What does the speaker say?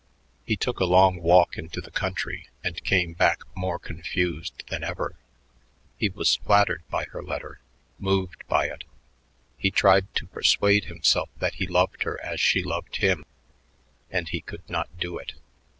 He took a long walk into the country and came back more confused than ever. He was flattered by her letter, moved by it; he tried to persuade himself that he loved her as she loved him and he could not do it.